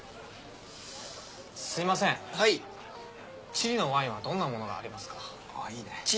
チリのワインはどんなものがありますか？